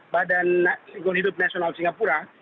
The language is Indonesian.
badan lingkungan hidup nasional singapura